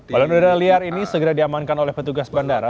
balon udara liar ini segera diamankan oleh petugas bandara